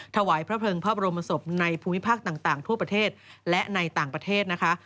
ถวายพระเภิงพระบรมศพในภูมิภาคต่างทั่วประเทศและในต่างประเทศนะคะ